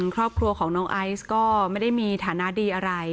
ครอบครัวของน้องไอซ์ก็ไม่ได้มีฐานะดีอะไร